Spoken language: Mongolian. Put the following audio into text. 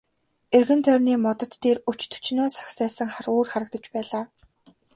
Эргэн тойрны модод дээр өч төчнөөн сагсайсан хар үүр харагдаж байлаа.